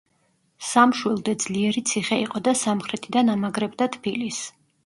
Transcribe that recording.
სამშვილდე ძლიერი ციხე იყო და სამხრეთიდან ამაგრებდა თბილისს.